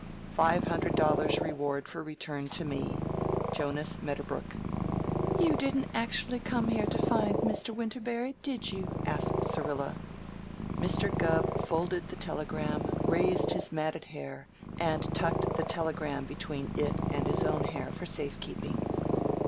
Five hundred dollars reward for return to me. JONAS MEDDERBROOK "You didn't actually come here to find Mr. Winterberry, did you?" asked Syrilla. Mr. Gubb folded the telegram, raised his matted hair, and tucked the telegram between it and his own hair for safe keeping.